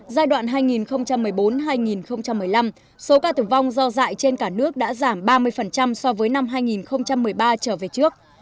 giai đoạn hai nghìn một mươi bốn hai nghìn một mươi năm số ca tử vong do dạy trên cả nước đã giảm ba mươi so với năm hai nghìn một mươi ba trở về trước